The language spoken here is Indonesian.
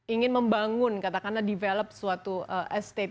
ingin membangun katakanlah develop suatu estate